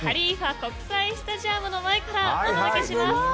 国際スタジアムの前からお届けします。